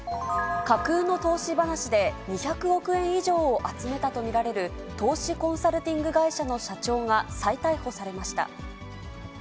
架空の投資話で、２００億円以上を集めたと見られる投資コンサルティング会社の社長が再逮捕されました。